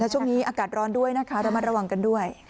ช่วงนี้อากาศร้อนด้วยนะคะระมัดระวังกันด้วย